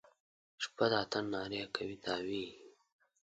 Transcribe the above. شپه د اتڼ نارې کوي تاویږي